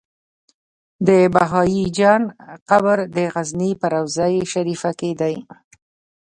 د بهايي جان قبر د غزنی په روضه شريفه کی دی